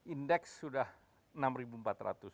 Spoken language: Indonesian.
indeks sudah rp enam empat ratus